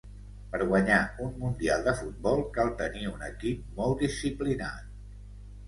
Per guanyar un mundial de futbol cal tenir un equip molt disciplinat.